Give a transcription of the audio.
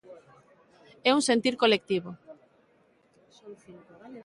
É un sentir colectivo.